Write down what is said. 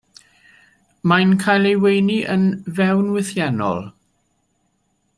Mae'n cael ei weini yn fewnwythiennol.